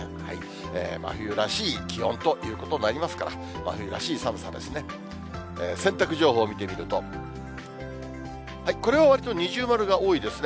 真冬らしい気温ということになりますから、真冬らしい寒さですね。